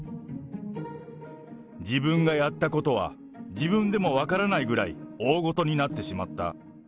自分がやったことは、自分でも分からないぐらい、大事になってしまった。